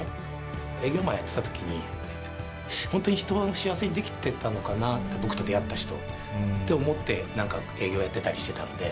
営業マンやってたときに、本当に人を幸せにできてたのかなと、僕と出会った人をって思って、なんか営業やってたりしたんで。